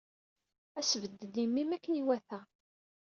Ad as-bedden i mmi-m akken iwata.